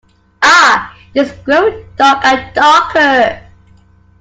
Ah, it is growing dark and darker.